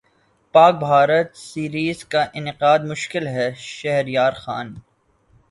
پاک بھارت سیریزکا انعقادمشکل ہے شہریارخان